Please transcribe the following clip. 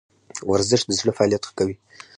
ورزش د زړه فعالیت ښه کوي